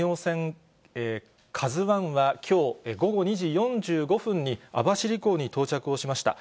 ＫＡＺＵＩはきょう午後２時４５分に、網走港に到着をしました。